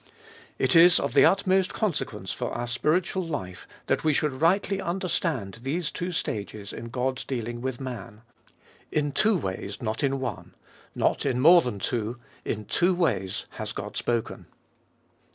It is of the utmost consequence for our spiritual life that we should rightly understand these two stages in God's dealing with man. In two ways, not in one ; not in more than two ; in two ways has God spoken.